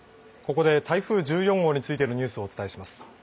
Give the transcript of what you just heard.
ここで台風１４号についてのニュースをお伝えします。